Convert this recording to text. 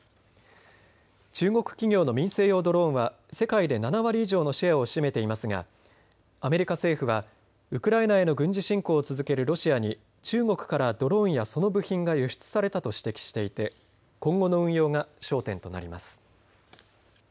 中国企業の民生用ドローンは世界で７割以上のシェアを占めていますがアメリカ政府はウクライナへの軍事侵攻を続けるロシアに中国からドローンやその部品が輸出されたと指摘していて今後の運用が焦点となります。